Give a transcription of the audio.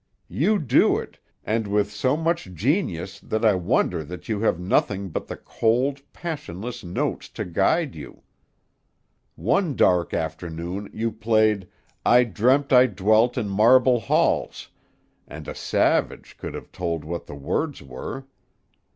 You do it, and with so much genius that I wonder that you have nothing but the cold, passionless notes to guide you. One dark afternoon you played 'I Dreamt I Dwelt in Marble Halls,' and a savage could have told what the words were.